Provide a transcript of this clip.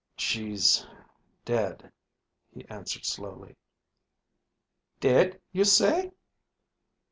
"She's dead," he answered slowly. "Dead, you say?"